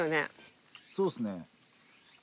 そうですね。